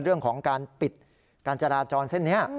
เรื่องของการปิดการจราจรเส้นนี้